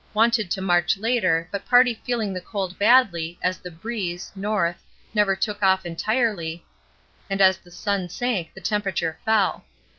Wanted to march later, but party feeling the cold badly as the breeze (N.) never took off entirely, and as the sun sank the temp. fell.